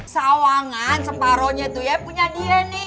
sawangan separohnya tuh ya punya dia nih